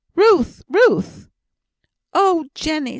"Ruth! Ruth!" "Oh, Jenny!"